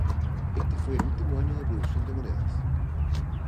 Este fue el último año de producción de monedas.